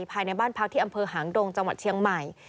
ภายในบ้านพักที่อำเภอหางดงจังหวัดเชียงใหม่